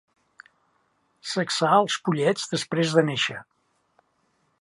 Sexar els pollets després de néixer.